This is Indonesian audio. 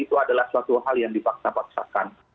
itu adalah suatu hal yang dipaksa paksakan